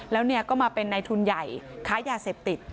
แล้วก็มาเป็นในทุนใหญ่ค้ายาเสพติด